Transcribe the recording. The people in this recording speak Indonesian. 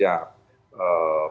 yang merupakan mitra kerja